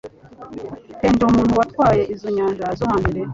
pe Ndi umuntu watwaye izo nyanja zo hambere